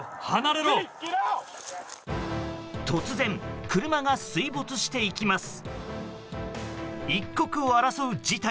突然、車が水没していきます。